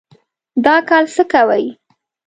دا کال څه کوئ؟